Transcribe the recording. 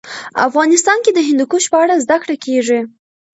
افغانستان کې د هندوکش په اړه زده کړه کېږي.